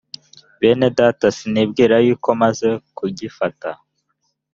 bene data sinibwira yuko maze kugifata